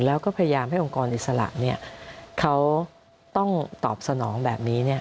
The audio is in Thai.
แล้วก็พยายามให้องค์กรอิสระเขาต้องตอบสนองแบบนี้